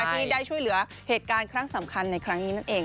ที่ได้ช่วยเหลือเหตุการณ์ครั้งสำคัญในครั้งนี้นั่นเอง